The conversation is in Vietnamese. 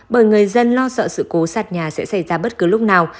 bởi người dân lo sợ sự cố sạt nhà sẽ xảy ra bất cứ lúc nào